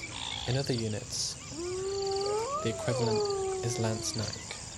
In other units the equivalent is lance naik.